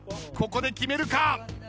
ここで決めるか？